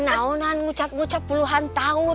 nah nah ngucap puluhan tahun